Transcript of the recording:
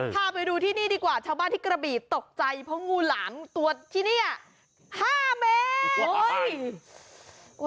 พาไปดูที่นี่ดีกว่าชาวบ้านที่กระบีตกใจเพราะงูหลามตัวที่นี่๕เมตร